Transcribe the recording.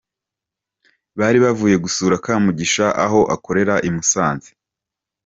Bari bavuye gusura Kamugisha aho akorera i Musanze.